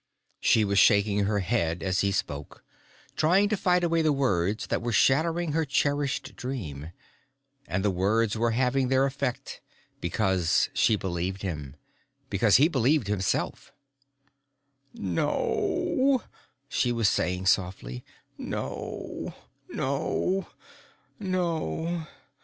She was shaking her head as he spoke, trying to fight away the words that were shattering her cherished dream. And the words were having their effect because she believed him, because he believed himself. "No," she was saying softly. "No, no, no."